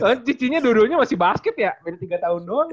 soalnya cicinya duduknya masih basket ya berarti tiga tahun doang